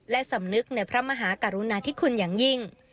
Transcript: และสำนึกในพระมหากรุณาธิคุณอย่างยิ่ง